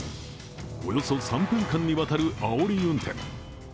およそ３分間にわたる、あおり運転。